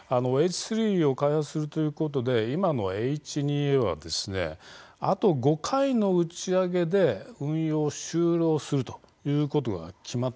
Ｈ３を開発するということで今のＨ２Ａはあと５回の打ち上げで運用終了するということが決まっているんですね。